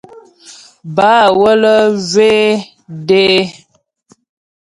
Bə̀ wələ zhwé dé.